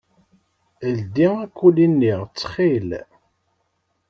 Ldi akuli-nni, ttxil.